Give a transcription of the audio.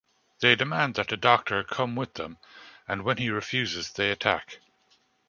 They demand that the Doctor come with them, and when he refuses they attack.